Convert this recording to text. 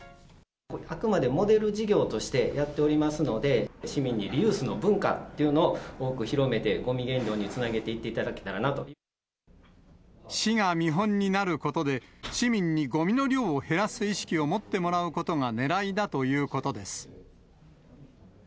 あくまでモデル事業としてやっておりますので、市民にリユースの文化っていうのを多く広めて、ごみ減量につなげ市が見本になることで、市民にごみの量を減らす意識を持ってもらうことがねらいだということです。